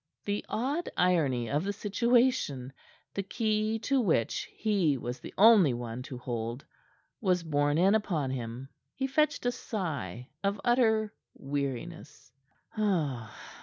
The odd irony of the situation the key to which he was the only one to hold was borne in upon him. He fetched a sigh of utter weariness.